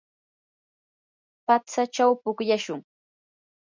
patsachaw pukllashun.